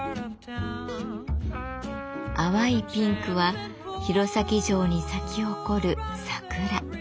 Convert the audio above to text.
淡いピンクは弘前城に咲き誇る桜。